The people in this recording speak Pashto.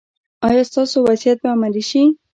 ایا ستاسو وصیت به عملي شي؟